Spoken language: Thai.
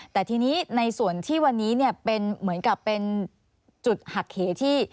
แต่ทีนี้ในส่วนที่วันนี้เป็นเหมือนกับเป็นจุดหักเหที่